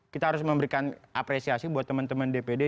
kita harus memberikan apresiasi buat teman teman dpd